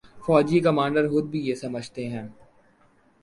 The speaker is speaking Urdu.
فوجی کمانڈر خود بھی یہ سمجھتے ہیں۔